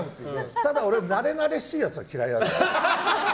ただ、俺はなれなれしいやつは嫌い。